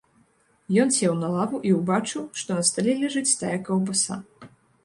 Ён сеў на лаву і ўбачыў, што на стале ляжыць тая каўбаса.